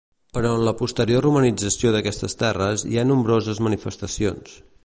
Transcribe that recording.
Però en la posterior romanització d'aquestes terres hi ha nombroses manifestacions.